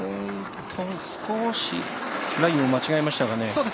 少しラインを間違えましたかね。